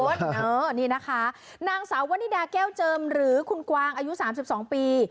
นี่นะคะนางสาววันนิดาแก้วเจิมหรือคุณกวางอายุ๓๒ปี